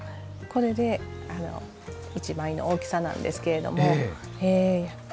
これで１枚の大きさなんですけれども。